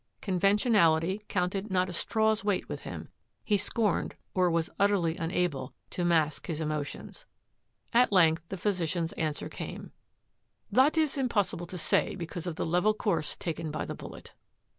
Convention ality counted not a straw's weight with him. He scorned, or was utterly unable, to mask his emo tions. At length the physician's answer came. " That is impossible to say because of the level course taken by the bullet."